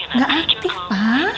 nggak aktif pak